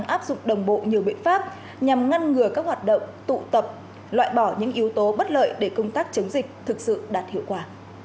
áp dụng đồng bộ nhiều biện pháp nhằm ngăn ngừa các hoạt động tụ tập loại bỏ những yếu tố bất lợi để công tác chống dịch thực sự đạt hiệu quả